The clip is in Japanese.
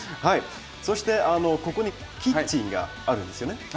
そしてここにキッチンがあるんですよね？